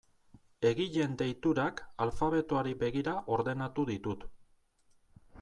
Egileen deiturak alfabetoari begira ordenatu ditut.